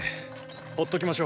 ほっときましょう。